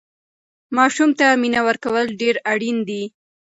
ماسوم ته مینه ورکول ډېر اړین دي.